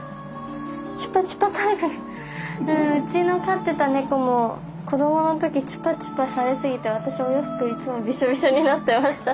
うちの飼ってた猫も子供の時チュパチュパされ過ぎて私お洋服いつもビショビショになってました。